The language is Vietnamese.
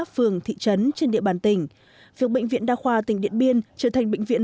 phường thị trấn trên địa bàn tỉnh việc bệnh viện đa khoa tỉnh điện biên trở thành bệnh viện